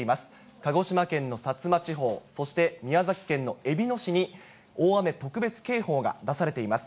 鹿児島県の薩摩地方、そして宮崎県のえびの市に、大雨特別警報が出されています。